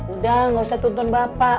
udah gak usah tuntun bapak